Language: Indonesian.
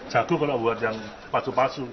jago kalau buat yang palsu palsu